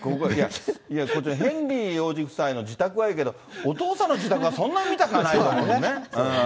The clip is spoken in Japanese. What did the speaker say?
ここ、ヘンリー王子夫妻の自宅はいいけど、お父さんの自宅はそんな見たくはないもんね。